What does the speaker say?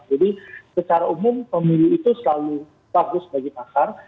jadi secara umum pemilu itu selalu bagus bagi pasar